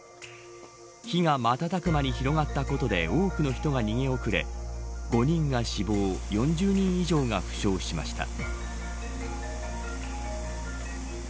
火が瞬く間に広がったことで多くの人が逃げ遅れ５人が死亡４０人以上が負傷しました。